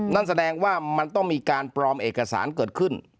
นั่นแสดงว่ามันต้องมีการปลอมเอกสารเกิดขึ้น